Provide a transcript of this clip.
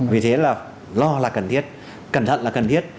vì thế là lo là cần thiết cẩn thận là cần thiết